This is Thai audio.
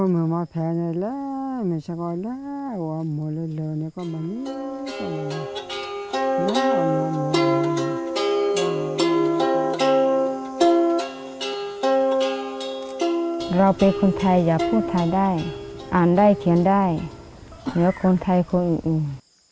เราไปคุณไทยอย่าพูดไทยได้อ่านได้เขียนได้ไม่ว่าคุณไทยคุณอื่น